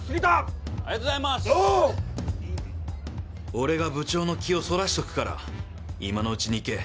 俺が部長の気をそらしとくから今のうちに行け！